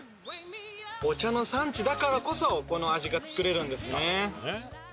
お茶の産地だからこそこの味が作れるんですね。